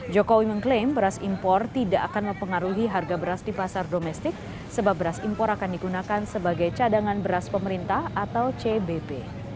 jokowi mengklaim beras impor tidak akan mempengaruhi harga beras di pasar domestik sebab beras impor akan digunakan sebagai cadangan beras pemerintah atau cbp